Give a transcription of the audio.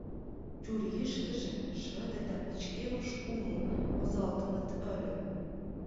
Чурийыштыже шыде да пычкемыш кумыл возалтыныт ыле.